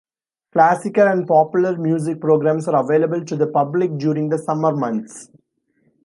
Classical and popular music programs are available to the public during the summer months.